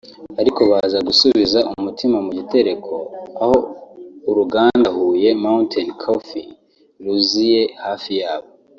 ariko baza gusubiza umutima mu gitereko aho uruganda Huye Mountain Coffee ruziye hafi yabo